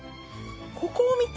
ここを見て。